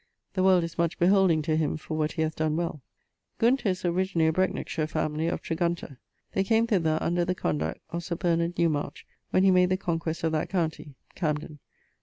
The world is much beholding to him for what he hath donne well. Gunter is originally a Brecknockshire family, of Tregunter. They came thither under the conduct of Sir Bernard Newmarch when he made the conquest of that county (Camden).